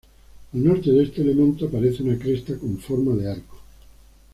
Al norte de este elemento aparece una cresta con forma de arco.